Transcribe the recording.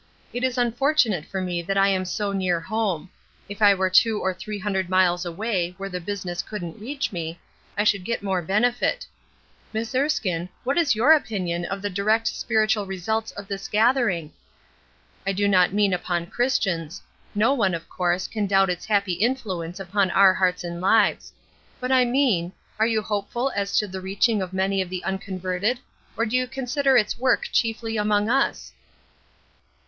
It is unfortunate for me that I am so near home. If I were two or three hundred miles away where the business couldn't reach me, I should get more benefit. Miss Erskine, what is your opinion of the direct spiritual results of this gathering? I do not mean upon Christians. No one, of course, can doubt its happy influence upon our hearts and lives. But I mean, are you hopeful as to the reaching of many of the unconverted, or do you consider its work chiefly among us?"